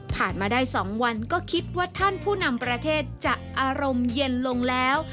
มาได้๒วันก็คิดว่าท่านผู้นำประเทศจะอารมณ์เย็นลงแล้ว